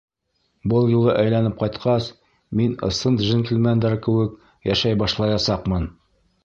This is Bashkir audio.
Был юлы әйләнеп ҡайтҡас, мин ысын джентльмендар кеүек йәшәй башлаясаҡмын.